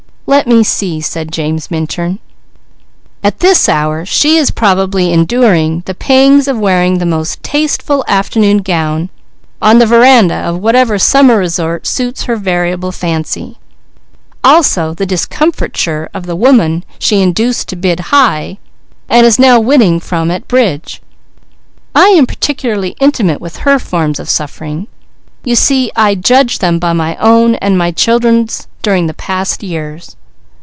"Let me see," said James Minturn. "At this hour she is probably enduring the pangs of wearing the most tasteful afternoon gown on the veranda of whatever summer resort suits her variable fancy, also the discomfiture of the woman she induced to bid high and is now winning from at bridge. I am particularly intimate with her forms of suffering; you see I judge them by my own and my children's during the past years."